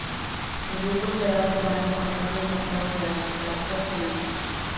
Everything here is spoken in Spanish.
El grupo esperaba tomar el control del mercado de la literatura occidental.